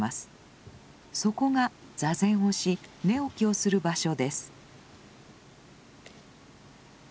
そこが坐禅をし寝起きをする場所です。